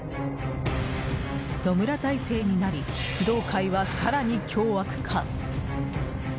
野村体制になり工藤会は更に凶悪化。